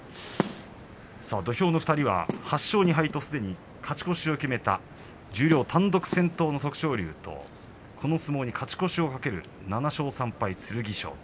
土俵の２人は８勝２敗とすでに勝ち越しを決めた十両単独先頭の徳勝龍とこの相撲に勝ち越しを懸ける７勝３敗、剣翔。